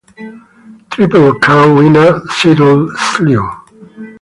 Triple Crown winner Seattle Slew.